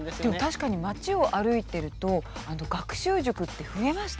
確かに街を歩いてると学習塾って増えましたよね。